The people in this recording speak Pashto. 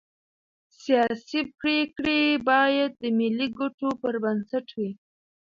سیاسي پرېکړې باید د ملي ګټو پر بنسټ وي